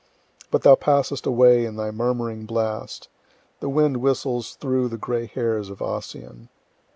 But thou passest away in thy murmuring blast; the wind whistles through the gray hairs of Ossian."